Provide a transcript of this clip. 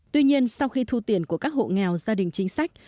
tuy nhiên sau khi thu tiền của các hộ nghèo gia đình chính sách